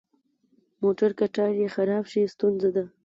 موټر که ټایر یې خراب شي، ستونزه ده.